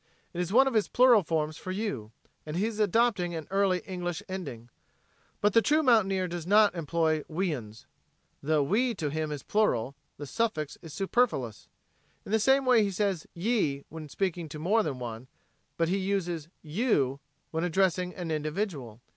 It is one of his plural forms for "you," and he is adopting an Early English ending. But the true mountaineer does not employ "we uns" The "we" to him is plural, the suffix is superfluous. In the same way he says "ye" when speaking to more than one, but he uses "you" when addressing an individual.